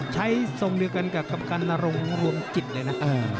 ใช้ส่งเดียวกันกับกับกันลงรวมจิตเลยนะ